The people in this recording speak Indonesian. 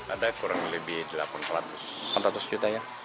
ada kurang lebih empat ratus juta ya